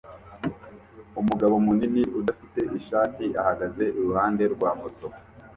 Umugabo munini udafite ishati ahagaze iruhande rwa moto